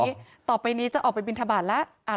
บอกว่าต่อปีนี้จะออกไปบินทะบาทแล้ว